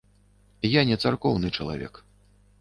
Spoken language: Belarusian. Я не царкоўны чалавек.